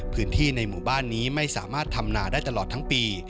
พื้นที่ในหมู่บ้านนี้ไม่สามารถทำนาได้ตลอดทั้งปี